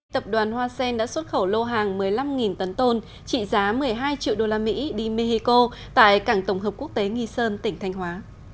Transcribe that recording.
tập đoàn hoa sen đã xuất khẩu lô hàng một mươi năm tấn tôn trị giá một mươi hai triệu usd đi mexico tại cảng tổng hợp quốc tế nghi sơn tỉnh thanh hóa